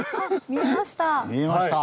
見えました。